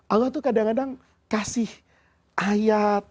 allah tuh kadang kadang kasih ayat